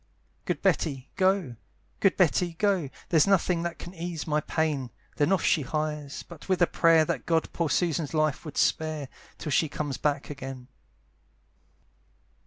"Good Betty go, good Betty go, "There's nothing that can ease my pain." Then off she hies, but with a prayer That God poor Susan's life would spare, Till she comes back again.